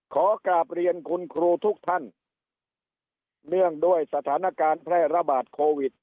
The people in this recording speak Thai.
ขอกราบเรียนคุณครูทุกท่านเนื่องด้วยสถานการณ์แพร่ระบาดโควิด